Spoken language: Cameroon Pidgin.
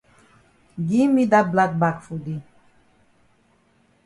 Gi me dat black bag for dey.